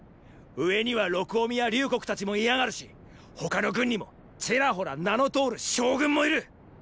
上には録嗚未や隆国たちもいやがるし他の軍にもチラホラ名の通る将軍もいる。